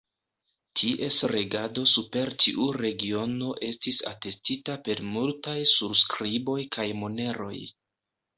Ties regado super tiu regiono estis atestita per multaj surskriboj kaj moneroj.